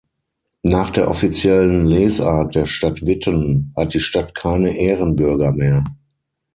Nach der offiziellen Lesart der Stadt Witten hat die Stadt keine Ehrenbürger mehr.